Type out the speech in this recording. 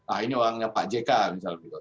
ah ini orangnya pak j k misalnya